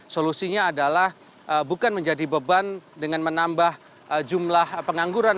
solusinya adalah bukan menjadi beban dengan menambah jumlah pengangguran